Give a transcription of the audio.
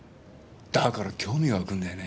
だから興味わくんだよね。